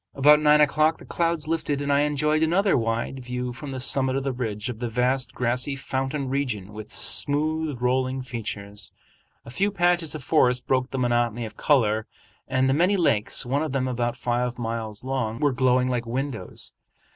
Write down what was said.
About nine o'clock the clouds lifted and I enjoyed another wide view from the summit of the ridge of the vast grassy fountain region with smooth rolling features. A few patches of forest broke the monotony of color, and the many lakes, one of them about five miles long, were glowing like windows.